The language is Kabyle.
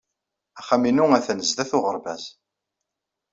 Axxam-inu atan sdat uɣerbaz.